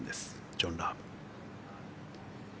ジョン・ラーム。